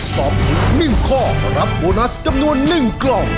ตอบถูก๑ข้อรับโบนัสจำนวน๑กล่อง